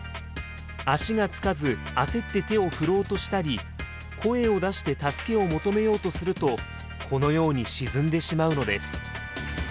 足がつかず焦って手を振ろうとしたり声を出して助けを求めようとするとこのように沈んでしまうのです。